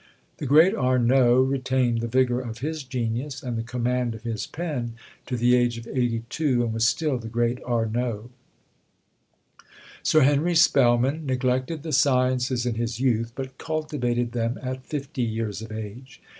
The great Arnauld retained the vigour of his genius, and the command of his pen, to the age of eighty two, and was still the great Arnauld. Sir Henry Spelman neglected the sciences in his youth, but cultivated them at fifty years of age.